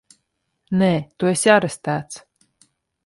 Nē! Tu esi arestēts!